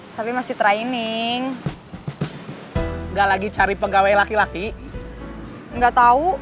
tapi masih training nggak lagi cari pegawai laki laki nggak tahu